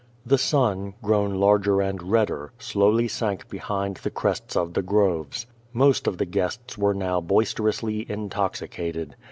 The sun, grown larger and redder, slowly sank behind the crests of the groves. Most of the guests were now boisterously intoxicated.